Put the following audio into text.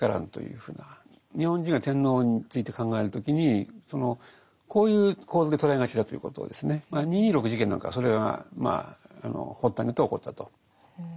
ふうな日本人は天皇について考える時にこういう構図で捉えがちだということをですね二・二六事件なんかはそれが発端になって起こったと。